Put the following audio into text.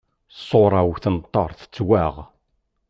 Ṣṣura-w tenṭer tettwaɣ.